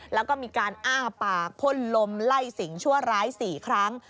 แล้วก็มีการอ้าปากพ่นลมไล่สิ่งชั่วร้าย๔ครั้ง